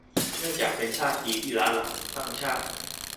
เนื่องจากเป็นท่าทีที่หล้าหลัง คลั่งชาติ